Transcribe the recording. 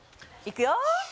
いくよ